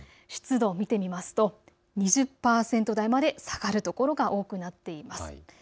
湿度を見てみますと２０％台まで下がる所が多くなっています。